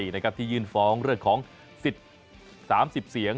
ที่ยื่นฟ้องเรื่องของสิทธิ์๓๐เสียง